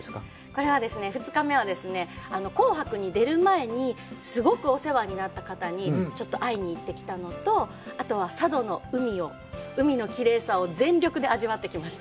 これはですね、２日目はですね、紅白に出る前にすごくお世話になった方に、ちょっと会いに行ってきたのと、あとは佐渡の海を、海のきれいさを全力で味わってきました。